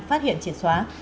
phát hiện triển xóa